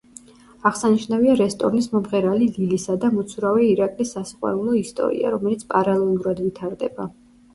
აღსანიშნავია რესტორნის მომღერალი ლილისა და მოცურავე ირაკლის სასიყვარულო ისტორია, რომელიც პარალელურად ვითარდება.